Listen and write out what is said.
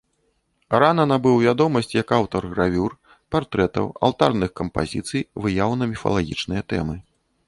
Рана набыў вядомасць як аўтар гравюр, партрэтаў, алтарных кампазіцый, выяў на міфалагічныя тэмы.